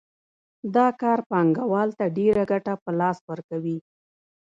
دا کار پانګوال ته ډېره ګټه په لاس ورکوي